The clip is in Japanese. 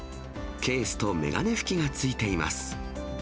ケースと眼鏡拭きがついています。